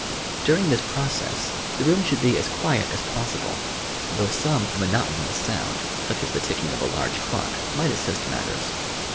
During this process the room should be as quiet as possible, though some monotonous sound such as the ticking of a large clock, might assist matters.